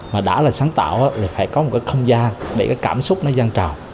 mà đã là sáng tạo thì phải có một không gian để cảm xúc gian trào